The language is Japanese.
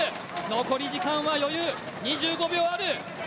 残り時間は余裕、２５秒ある。